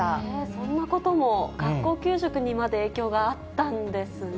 そんなことも、学校給食にまで、影響があったんですね。